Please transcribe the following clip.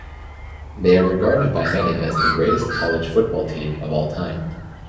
They are regarded by many as the greatest college football team of all time.